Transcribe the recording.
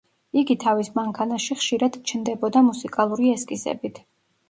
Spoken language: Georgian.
იგი თავის მანქანაში ხშირად ჩნდებოდა მუსიკალური ესკიზებით.